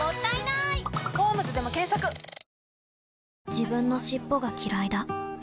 自分の尻尾がきらいだ